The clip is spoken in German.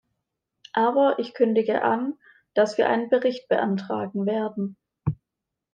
Aber ich kündige an, dass wir einen Bericht beantragen werden.